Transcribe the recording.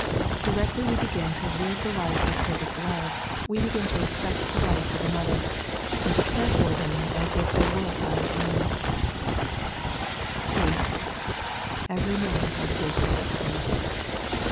Directly we bc^in to live the life of perfect love, we begin to respect the rights of another, and to care for them as if they were ouro«ni. (2) Jmtj/ man Am his necetniiea.